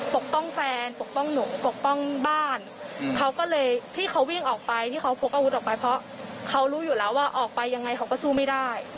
ปกป้องแฟนปกป้องหนูปกป้องบ้านเขาก็เลยที่เขาวิ่งออกไปที่เขาพกอาวุธออกไปเพราะเขารู้อยู่แล้วว่าออกไปยังไงเขาก็สู้ไม่ได้